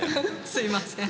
すいません。